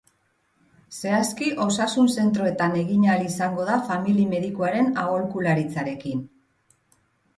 Zehazki, osasun zentroetan egin ahal izango da famili medikuaren aholkularitzarekin.